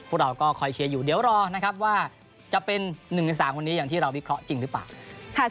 พวกเราก็คอยเชียร์อยู่เดี๋ยวรอนะครับว่าจะเป็น๑ใน๓วันนี้อย่างที่เราวิเคราะห์จริงหรือเปล่า